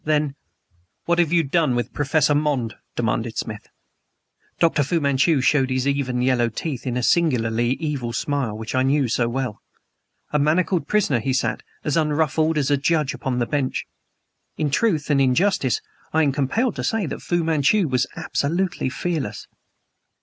Then: "What have you done with Professor Monde?" demanded Smith. Dr. Fu Manchu showed his even, yellow teeth in the singularly evil smile which I knew so well. A manacled prisoner he sat as unruffled as a judge upon the bench. In truth and in justice I am compelled to say that Fu Manchu was absolutely fearless.